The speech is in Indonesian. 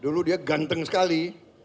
dulu dia ganteng sekali